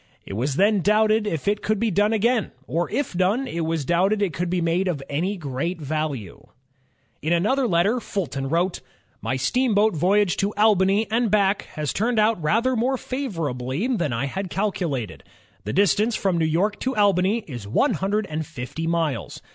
... "It was then doubted if it could be done again, or if done, it was doubted if it could be made of any great value." 44 INVENTIONS OF STEAM AND ELECTRIC POWER In another letter Fulton wrote: "My steamboat voyage to Albany and back has turned out rather more favorably than I had calculated. The distance from New York to Albany is one hundred and fifty miles.